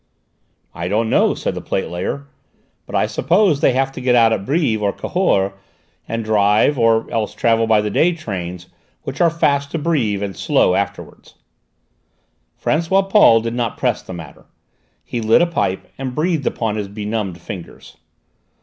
"I don't know," said the plate layer; "but I suppose they have to get out at Brives or Cahors and drive, or else travel by the day trains, which are fast to Brives and slow afterwards." François Paul did not press the matter. He lit a pipe and breathed upon his benumbed fingers.